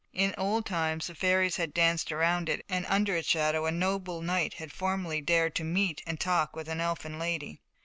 In old times the fairies had danced round it, and under its shadow a noble knight had formerly dared to meet and talk with an elfin lady.